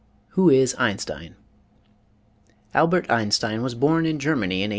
WHO IS EINSTEIN r Albert Einstein was bom in Germany in 1874.